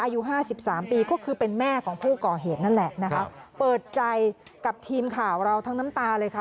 อายุห้าสิบสามปีก็คือเป็นแม่ของผู้ก่อเหตุนั่นแหละนะคะเปิดใจกับทีมข่าวเราทั้งน้ำตาเลยค่ะ